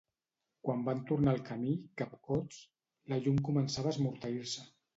Quan van tornar al camí, capcots, la llum començava a esmorteir-se.